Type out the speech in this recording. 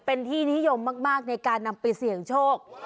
เป็นที่นิยมมากในการนำไปเสี่ยงโชค